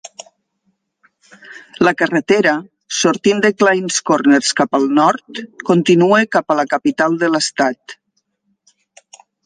La carretera, sortint de Clines Corners cap al nord, continua cap a la capital de l'estat.